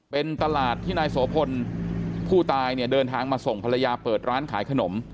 เป็นตลาดที่นายโสพลผู้ตายเนี่ยเดินทางมาส่งภรรยาเปิดร้านขายขนม